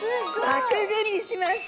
輪くぐりしました。